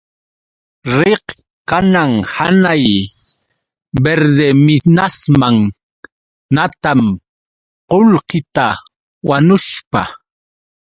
Riq kanan hanay Verdeminasman natam qullqita wanushpa.